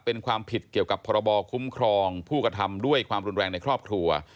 เป็นความผิดเกี่ยวกับพรบคุ้มครองผู้กระทำด้วยความรุนแรงในครอบครัว